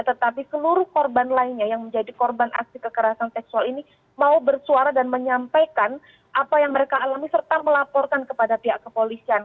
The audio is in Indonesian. tetapi seluruh korban lainnya yang menjadi korban aksi kekerasan seksual ini mau bersuara dan menyampaikan apa yang mereka alami serta melaporkan kepada pihak kepolisian